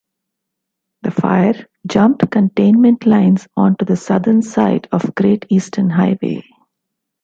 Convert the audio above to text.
The fire jumped containment lines onto the southern side of Great Eastern Highway.